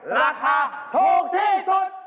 ราคาถูกที่สุด